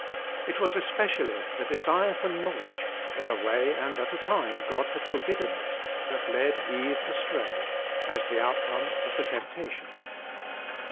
It was especially the desire for knowledge, in a way and at a time God had forbidden it, that led Eve astray, as the out come of the temptation.